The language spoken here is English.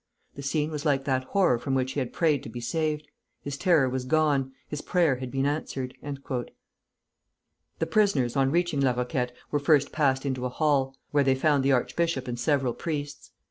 "The scene was like that horror from which he had prayed to be saved. His terror was gone. His prayer had been answered." The prisoners on reaching La Roquette were first passed into a hall, where they found the archbishop and several priests.